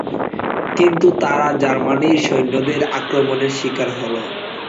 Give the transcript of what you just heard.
কিন্তু তারা জার্মানির সৈন্যদের আক্রমনের স্বীকার হল।